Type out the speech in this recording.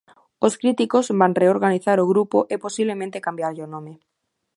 Os críticos van reorganizar o grupo e posiblemente cambiarlle o nome.